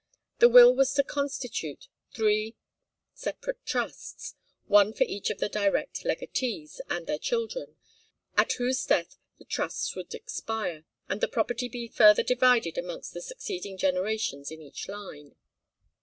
The will was to constitute three separate trusts, one for each of the direct legatees and their children, at whose death the trusts would expire, and the property be further divided amongst the succeeding generations in each line.